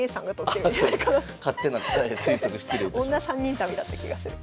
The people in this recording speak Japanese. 女３人旅だった気がする。